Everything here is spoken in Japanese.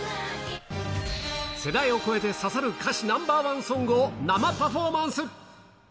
世代を超えて刺さる歌詞ナンバー１ソングを生パフォーマンス。